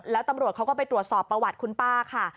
แล้วตำรวจเขาก็ไปตรวจสอบประวัติคุณป้าค่ะ